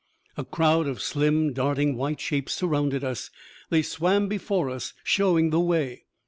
A crowd of slim, darting white shapes surrounded us. They swam before us, showing the way.